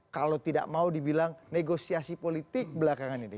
kalau tidak mau dibilang negosiasi politik belakangan ini